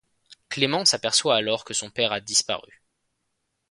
Clément s'aperçoit alors que son père a disparu...